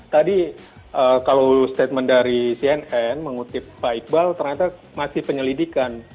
tadi kalau statement dari cnn mengutip pak iqbal ternyata masih penyelidikan